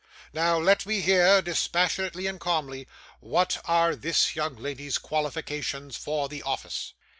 Now let me hear, dispassionately and calmly, what are this young lady's qualifications for the office.